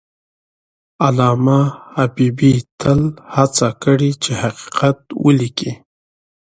علامه حبیبي تل هڅه کړې چې حقیقت ولیکي.